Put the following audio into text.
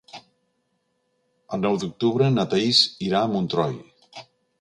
El nou d'octubre na Thaís anirà a Montroi.